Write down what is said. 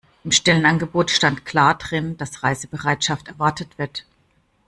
Im Stellenangebot stand klar drin, dass Reisebereitschaft erwartet wird.